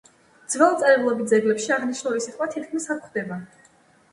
ძველ წერილობით ძეგლებში აღნიშნული სიტყვა თითქმის არ გვხვდება.